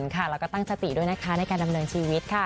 แล้วก็ตั้งสติด้วยนะคะในการดำเนินชีวิตค่ะ